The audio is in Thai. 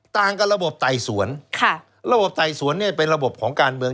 ต่างกับระบบไต่สวนค่ะระบบไต่สวนเนี่ยเป็นระบบของการเมือง